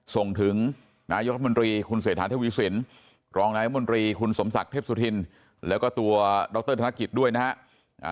ส่งถึงนายกองตรีคุณเศษฐานเทพวิสินรองนายกองตรีคุณสมศักดิ์เทพสุธินแล้วก็ตัวดรธนกฤษด้วยนะฮะ